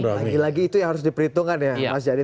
lagi lagi itu yang harus diperhitungkan ya mas jadi